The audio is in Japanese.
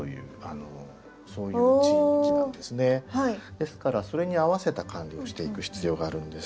ですからそれに合わせた管理をしていく必要があるんです。